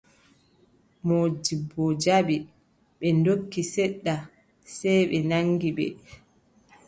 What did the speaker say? Moodibbo jaɓi, ɓe ndokki, seɗɗa sey ɓe naŋgi ɓe.